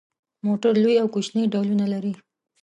موټر لوی او کوچني ډولونه لري.